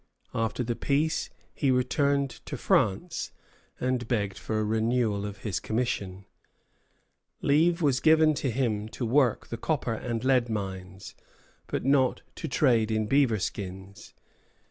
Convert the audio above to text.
After the peace he returned to France and begged for a renewal of his commission. Leave was given him to work the copper and lead mines, but not to trade in beaver skins.